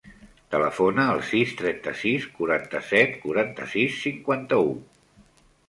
Telefona al sis, trenta-sis, quaranta-set, quaranta-sis, cinquanta-u.